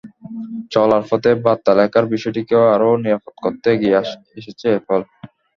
চলার পথে বার্তা লেখার বিষয়টিকে আরও নিরাপদ করতে এগিয়ে এসেছে অ্যাপল।